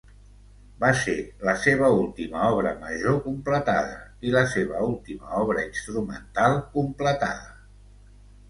Va ser la seva última obra major completada, i la seva última obra instrumental completada.